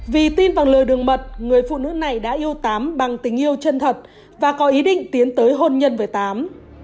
vì tin bằng lừa đường mật người phụ nữ này đã yêu tám bằng tình yêu chân thật và có ý định tiến tới hôn nhân với tám